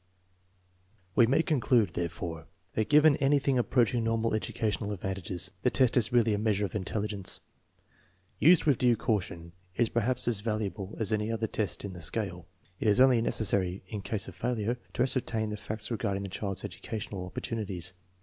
TEST NO. X, 4 2G5 We may conclude, therefore, that given anything ap proaching normal educational advantages, the test is really a measure of intelligence. Used with due caution, it is per haps as valuable as any other test in the scale. It is only necessary, in case of failure, to ascertain the facts regard ing the child's educational opportunities.